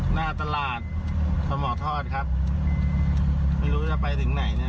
หน้าตลาดสมทอดครับไม่รู้จะไปถึงไหนเนี่ย